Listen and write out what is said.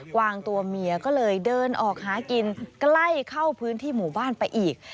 วางตัวเมียก็เลยเดินออกหากินใกล้เข้าพื้นที่หมู่บ้านไปอีก